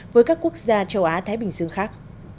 với các quốc gia châu á thái bình dương khác